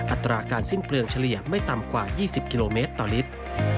อัตราการสิ้นเปลืองเฉลี่ยไม่ต่ำกว่า๒๐กิโลเมตรต่อลิตร